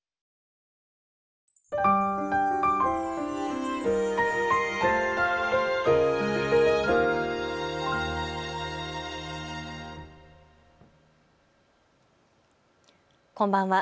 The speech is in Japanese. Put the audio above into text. こんばんは。